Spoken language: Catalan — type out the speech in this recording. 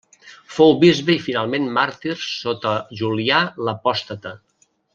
Fou bisbe i finalment màrtir sota Julià l'Apòstata.